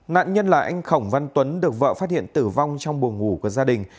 nạn nhân là anh khổng văn tuấn được vợ phát hiện tử vong trong buồng ngủ của gia đình